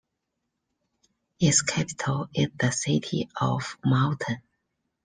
Its capital is the city of Multan.